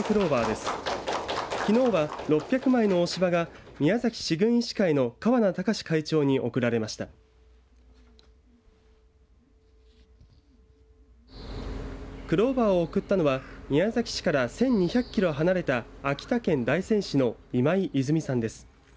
クローバーを贈ったのは宮崎市から１２００キロ離れた秋田県大仙市の今井泉さんです。